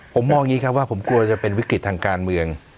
ผมมองอย่างนี้ครับว่าผมกลัวจะเป็นวิกฤตทางการเมือง